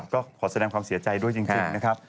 ก็ขอแสดงความเสียใจด้วยจริงนะครับ